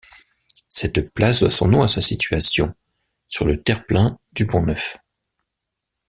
Cette place doit son nom à sa situation, sur le terre-plein du Pont-Neuf.